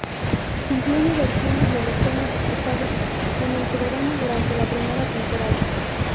Incluye versiones de los temas escuchados en el programa durante la primera temporada.